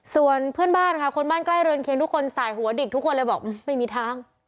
ส่วนเพื่อนบ้านค่ะคนบ้านใกล้รวมเข็งแล้วทุกคนส่ายหัวดิกทุกคนก็บอกแอ๊ะไม่มีทาง